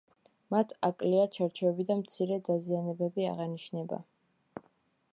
მათ აკლია ჩარჩოები და მცირე დაზიანებები აღენიშნება.